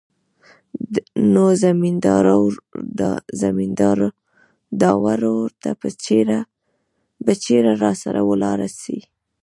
نو زمينداورو ته به چېرې راسره ولاړه سي.